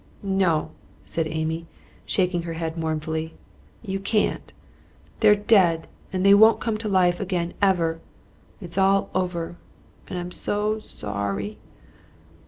"No," said Amy, shaking her head mournfully; "you can't. They're dead, and they won't come to life again ever. It's all over, and I'm so so o rry."